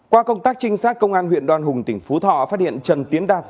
qua công tác trinh sát công an huyện đoan hùng tỉnh phú thọ phát hiện trần tiến đạt